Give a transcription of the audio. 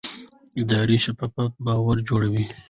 اداري شفافیت باور جوړوي